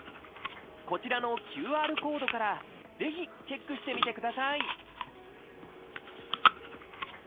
こちらのＱＲコードからぜひチェックしてみてください